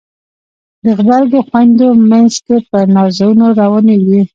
د غبرګو خویندو مینځ کې په نازونو روانیږي